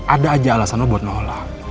ada aja alasan lo buat nolak